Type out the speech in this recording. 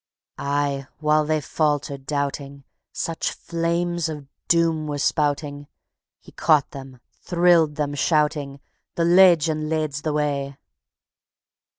_Aye, while they faltered, doubting (Such flames of doom were spouting), He caught them, thrilled them, shouting: "The Layjun lades the way!"